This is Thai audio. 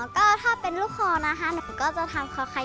ก็ถ้าเป็นลูกคลอนะคะหนูก็จะทำคอขยะแบบนี้ค่ะ